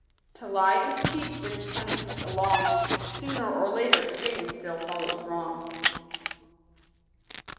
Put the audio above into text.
To lie and cheat brings punishment along ; Sooner or later shame still follows wrong.